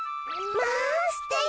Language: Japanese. まあすてき。